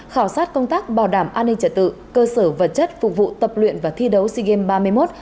khảo sát công tác bảo đảm an ninh trật tự cơ sở vật chất phục vụ tập luyện và thi đấu sea games ba mươi một